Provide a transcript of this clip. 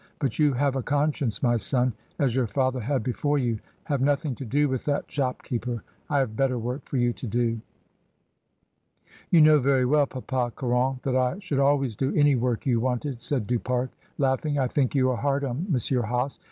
But you have a conscience, my son, as your father had before you. Have nothing to do with that shopkeeper; I have better work for you to do." "You know very well. Papa Caron, that I should always do any work you wanted," said Du Pare, laughing. "I think you are hard on M. Hase.